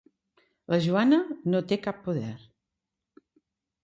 La Joana no té cap poder.